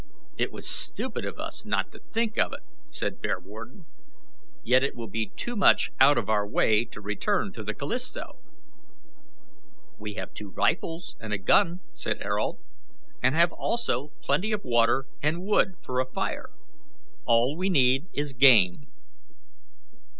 "It was stupid of us not to think of it," said Bearwarden, "yet it will be too much out of our way to return to the Callisto." "We have two rifles and a gun," said Ayrault, "and have also plenty of water, and wood for a fire. All we need is game."